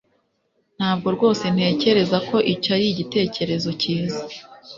Ntabwo rwose ntekereza ko icyo ari igitekerezo cyiza